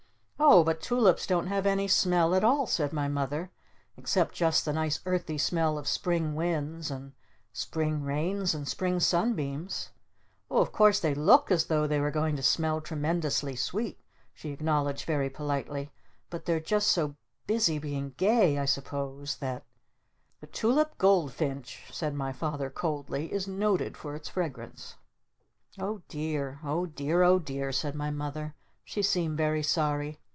"Oh but Tulips don't have any smell at all," said my Mother. "Except just the nice earthy smell of Spring winds and Spring rains and Spring sunbeams! Oh of course they look as though they were going to smell tremendously sweet!" she acknowledged very politely. "But they're just so busy being gay I suppose that " "The Tulip Goldfinch," said my Father coldly, "is noted for its fragrance." "Oh dear Oh dear Oh dear," said my Mother. She seemed very sorry.